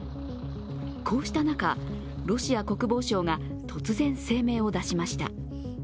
こうした中、ロシア国防省が突然声明を出しました。